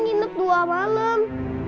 nginep dua malam